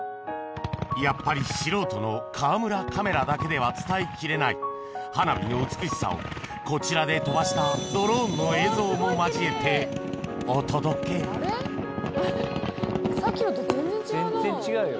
やっぱり素人の川村カメラだけでは伝えきれない花火の美しさをこちらで飛ばしたさっきのと全然違うな。